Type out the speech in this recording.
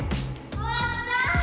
終わった？